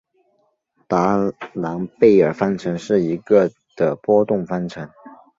达朗贝尔方程是一个的波动方程。